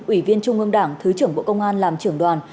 ủy viên trung ương đảng thứ trưởng bộ công an làm trưởng đoàn